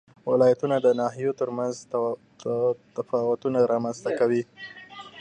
ولایتونه د ناحیو ترمنځ تفاوتونه رامنځ ته کوي.